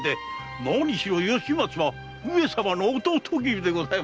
なにしろ吉松は上様の弟君でございますからな。